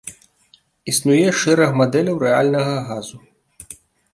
Існуе шэраг мадэляў рэальнага газу.